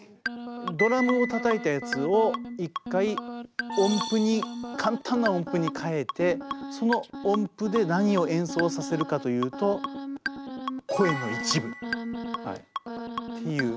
ドラムをたたいたやつを一回音符に簡単な音符に変えてその音符で何を演奏させるかというと声の一部っていう